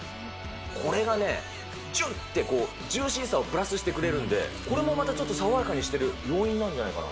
これがね、じゅって、ジューシーさをプラスしてくれるんで、これもまたちょっと爽やかにしてる要因じゃないかな。